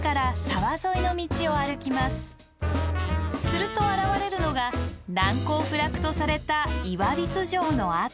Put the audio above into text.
すると現れるのが難攻不落とされた岩櫃城の跡。